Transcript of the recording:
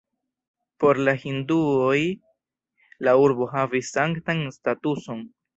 Por la hinduoj la urbo havis sanktan statuson.